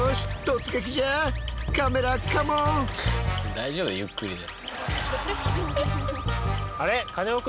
大丈夫ゆっくりで。